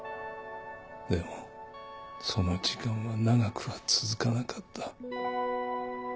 でもその時間は長くは続かなかった。